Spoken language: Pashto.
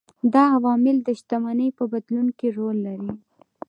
دا عوامل د شتمنۍ په بدلون کې رول لري.